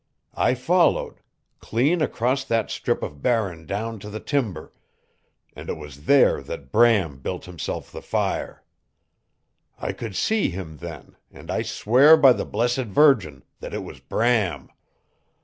I followed clean across that strip of Barren down to the timber, and it was there that Bram built himself the fire. I could see him then, and I swear by the Blessed Virgin that it was Bram!